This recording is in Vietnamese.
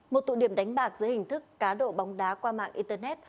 một tụ điểm đánh bạc dưới hình thức cá độ bóng đá qua mạng internet